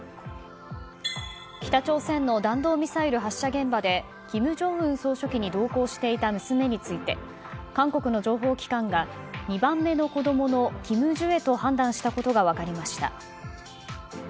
北朝鮮の弾道ミサイル発射現場で金正恩総書記に同行していた娘について韓国の情報機関が２番目の子供のキム・ジュエと判断したことが分かりました。